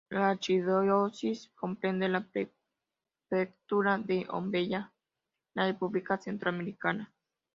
La archidiócesis comprende la prefectura de Ombella-M'Poko en la República Centroafricana.